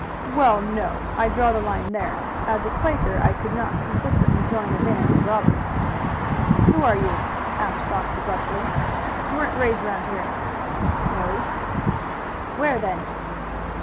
"Well, no; I draw the line there. As a Quaker I could not consistently join a band of robbers." "Who are you?" asked Fox abruptly. "You weren't raised around here." "No." "Where, then?"